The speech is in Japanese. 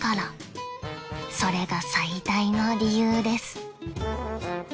［それが最大の理由です］